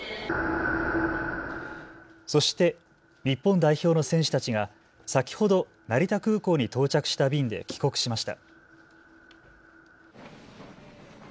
そして日本代表の選手たちが先ほど成田空港に到着した便で帰国しました。